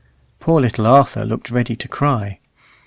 Poor little Arthur looked ready to cry.